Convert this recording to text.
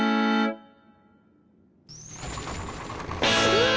うわ！